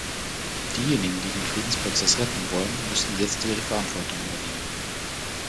Diejenigen, die den Friedensprozess retten wollen, müssen jetzt ihre Verantwortung übernehmen.